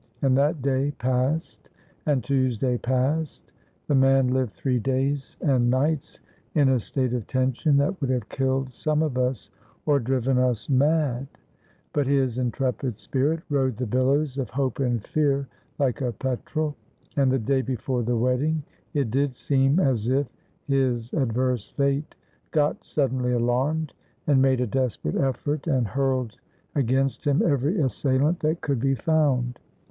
And that day passed and Tuesday passed. The man lived three days and nights in a state of tension that would have killed some of us or driven us mad; but his intrepid spirit rode the billows of hope and fear like a petrel. And the day before the wedding it did seem as if his adverse fate got suddenly alarmed and made a desperate effort and hurled against him every assailant that could be found.